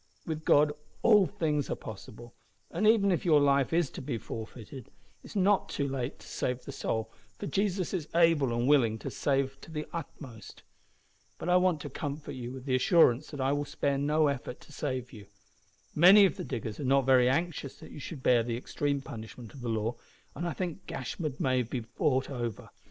With God all things are possible, and even if your life is to be forfeited, it is not too late to save the soul, for Jesus is able and willing to save to the uttermost. But I want to comfort you with the assurance that I will spare no effort to save you. Many of the diggers are not very anxious that you should bear the extreme punishment of the law, and I think Gashford may be bought over.